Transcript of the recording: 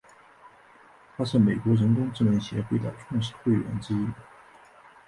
他是美国人工智能协会的创始会员之一。